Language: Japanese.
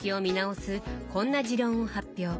こんな持論を発表。